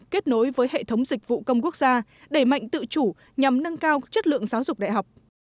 kết nối với hệ thống dịch vụ công quốc gia đẩy mạnh tự chủ nhằm nâng cao chất lượng giáo dục đại học